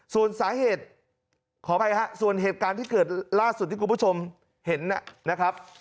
ส่วนเหตุการณ์ที่เกิดล่าสุดที่คุณผู้ชมเห็นนะครับ